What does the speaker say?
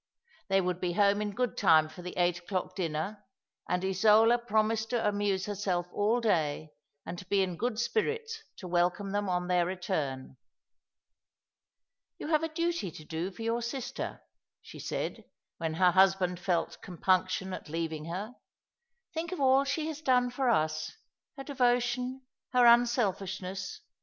They would bo home in good time for the eight o'clock dinner; and Isola promised to amuse herself all day, and to be in good spirits to welcome them on their return. " You have a duty to do for your sister," she said, when her husband felt compunction at leaving her. " Think of all she has done for us, her devotion, her unselfishness.